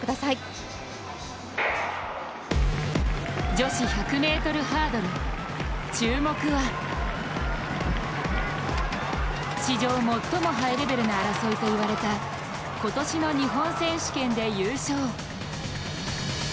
女子１００ｍハードル、注目は史上最もハイレベルな争いと言われた、今年の日本選手権で優勝。